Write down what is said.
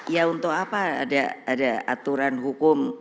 ya untuk apa ada aturan hukum